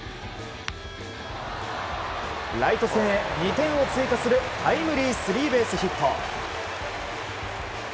ライト線へ２点を追加するタイムリースリーベースヒット。